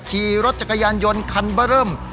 ขี่รถจักรยานยนต์คันเบอร์เริ่ม